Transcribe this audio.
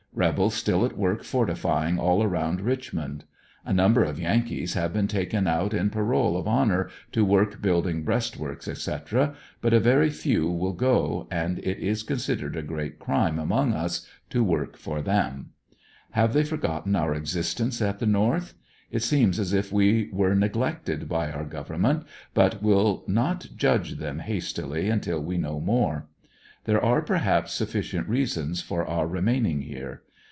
Rebels still at work fortifying all around Richmond. A number of Yankees have been taken out on parole of honor to work building breastworks etc., but a very few will go and it is considered a great crime among us to work for 32 ANDERSONVILLE DIARY, tliem. Have they forgotten our existence at the North? It seems as if we were neglected by our government but will not judge them hastily until we know more. There are perhaps sufficient reasons for our remain. ng here.